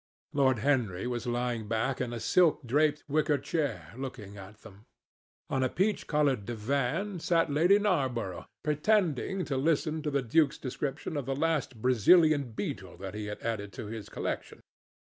Lord Henry was lying back in a silk draped wicker chair, looking at them. On a peach coloured divan sat Lady Narborough, pretending to listen to the duke's description of the last Brazilian beetle that he had added to his collection.